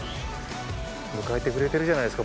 迎えてくれているじゃないですか